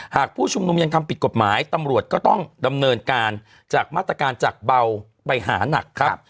ผู้ชุมนุมยังทำผิดกฎหมายตำรวจก็ต้องดำเนินการจากมาตรการจากเบาไปหานักครับ